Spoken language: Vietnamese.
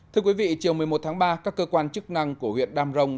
thưa quý vị chiều một mươi một tháng ba các cơ quan chức năng của huyện đam rồng